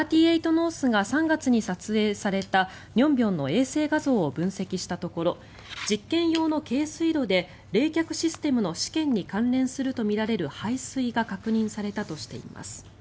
ノースが３月に撮影された寧辺の衛星画像を分析したところ実験用の軽水炉で冷却システムの試験に関連するとみられる排水が確認されたとしています。